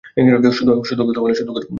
শুধু কথা বলি!